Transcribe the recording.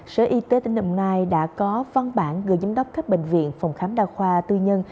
sở y tế tỉnh đồng nai đã có văn bản gửi giám đốc các bệnh viện phòng khám đa khoa tư nhân